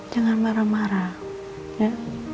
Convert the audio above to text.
jangan marah marah ya